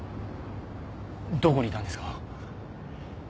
どこにいたんですか？